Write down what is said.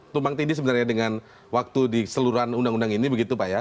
tumpang tindih sebenarnya dengan waktu di seluruhan undang undang ini begitu pak ya